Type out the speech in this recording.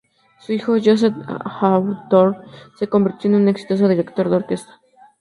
Su hijo, Joseph Hawthorne, se convirtió en un exitoso director de orquesta.